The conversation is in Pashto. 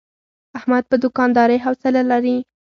احمد په دوکاندارۍ حوصله لري.